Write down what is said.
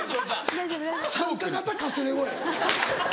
参加型かすれ声。